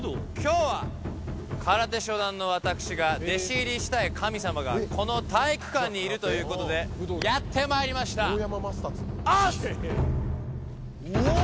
きょうは、空手初段の私が弟子入りしたい神様がこの体育館にいるということで、やってまいりました。